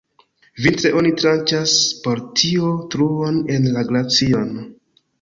Vintre oni tranĉas por tio truon en la glacion.